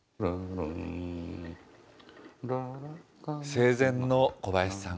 生前の小林さん。